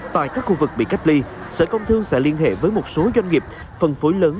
tại các khu vực bị cách ly sở công thương sẽ liên hệ với một số doanh nghiệp phân phối lớn